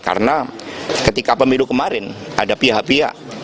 karena ketika pemilu kemarin ada pihak pihak